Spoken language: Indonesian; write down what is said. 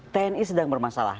tni sedang bermasalah